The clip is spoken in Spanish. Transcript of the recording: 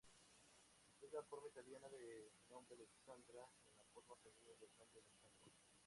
Es la forma italiana del nombre Alexandra y la forma femenina del nombre Alessandro.